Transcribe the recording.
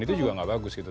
itu juga gak bagus gitu